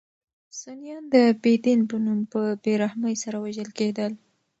سنیان د بې دین په نوم په بې رحمۍ سره وژل کېدل.